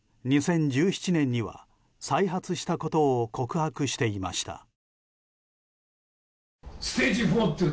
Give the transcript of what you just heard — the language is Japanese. ２０１７年には再発したことを告白していました。